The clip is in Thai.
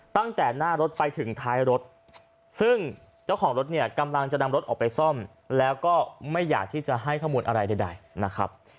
ตั้งแต่หน้ารถไปถึงท้ายรถซึ่งเจ้าของรถเนี่ยกำลังจะนำรถออกไปซ่อมแล้วก็ไม่อยากที่จะให้ข้อมูลอะไรใดนะครับ